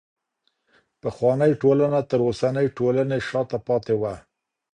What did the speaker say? پخوانۍ ټولنه تر اوسنۍ ټولني شاته پاته وه.